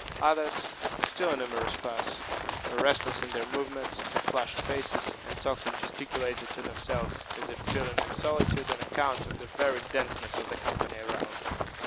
Others, still a numerous class, were restless in their movements, had flushed faces, and talked and gesticulated to themselves, as if feeling in solitude on account of the very denseness of the company around.